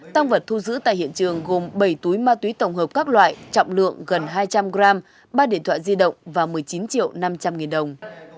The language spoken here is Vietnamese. tăng vật thu giữ tại hiện trường gồm bảy túi ma túy tổng hợp các loại trọng lượng gần hai trăm linh g ba điện thoại di động và một mươi chín triệu năm trăm linh nghìn đồng